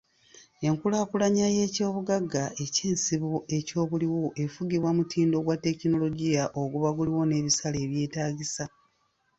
Enkulaakulanya y'ekyobugagga eky'ensibo ekyobuliwo efugibwa mutindo gwa tekinologia oguba guliwo n'ebisale ebyetaagisa